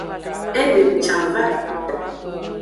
Edem can va.